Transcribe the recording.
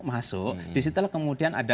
masuk disitulah kemudian ada